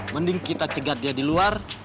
mending kita cegat dia di luar